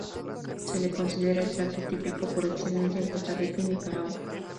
Se le considera el plato típico por excelencia en Costa Rica y Nicaragua.